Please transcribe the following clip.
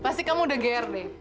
pasti kamu udah grd